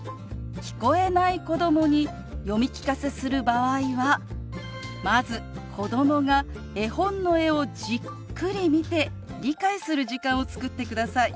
聞こえない子どもに読み聞かせする場合はまず子どもが絵本の絵をじっくり見て理解する時間を作ってください。